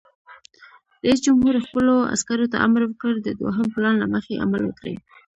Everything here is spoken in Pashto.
رئیس جمهور خپلو عسکرو ته امر وکړ؛ د دوهم پلان له مخې عمل وکړئ!